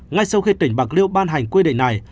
ngay sau khi tỉnh bạc liêu ban hành quy định này